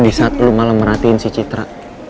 disaat lu malah merhatiin si citra